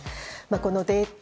このデート